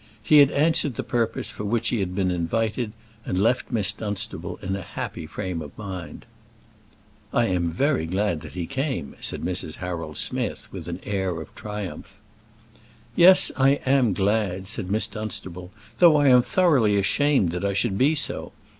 He had answered the purpose for which he had been invited, and left Miss Dunstable in a happy frame of mind. "I am very glad that he came," said Mrs. Harold Smith, with an air of triumph. "Yes, I am glad," said Miss Dunstable, "though I am thoroughly ashamed that I should be so.